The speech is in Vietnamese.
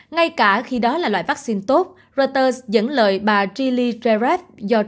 ngay cả khi đó là loại vaccine tốt reuters dẫn lời bà jilly jareff